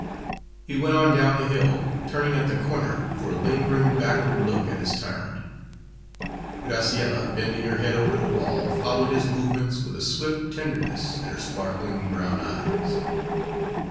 He went on down the hill, turning at the corner for a lingering backward look at his tyrant. Graciella, bending her head over the wall, followed his movements with a swift tenderness in her sparkling brown eyes.